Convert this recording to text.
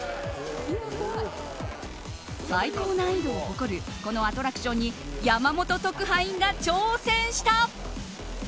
最高難易度を誇るこのアトラクションに山本特派員が挑戦した。